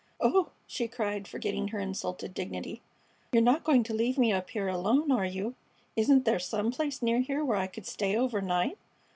"Oh!" she cried, forgetting her insulted dignity, "you're not going to leave me up here alone, are you? Isn't there some place near here where I could stay overnight?"